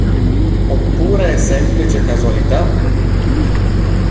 Oppure è semplice casualità?